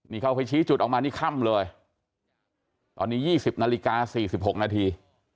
นี่เขาไปชี้จุดออกมานี่ค่ำเลยตอนนี้ยี่สิบนาฬิกาสี่สิบหกนาที